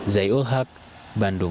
zaiul haq bandung